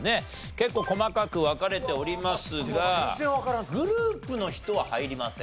結構細かく分かれておりますがグループの人は入りません。